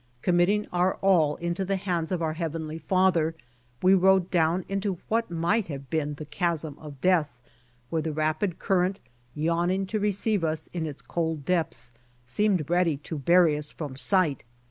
Commit ting our all into the hands of our Heavenly Father, 62 BY ox TEAM TO CALIFORNIA we rode down into what mioht liave been the chasm of death, where the. rapid current, yawning: to receive us in its cold depths, seemed ready to bury us from si^ht.